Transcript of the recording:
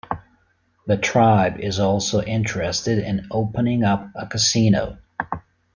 The tribe is also interested in opening up a casino.